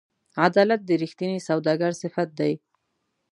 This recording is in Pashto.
عدالت د رښتیني سوداګر صفت دی.